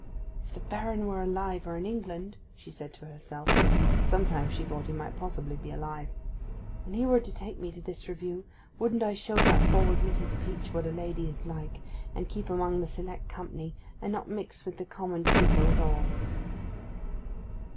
'If the Baron were alive, or in England,' she said to herself (for sometimes she thought he might possibly be alive), 'and he were to take me to this Review, wouldn't I show that forward Mrs. Peach what a lady is like, and keep among the select company, and not mix with the common people at all!